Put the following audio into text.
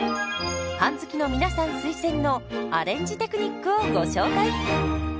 パン好きの皆さん推薦のアレンジテクニックをご紹介。